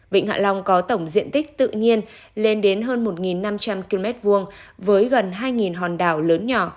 vịnh hạ long có tổng diện tích tự nhiên lên đến hơn một năm trăm linh km hai với gần hai hòn đảo lớn nhỏ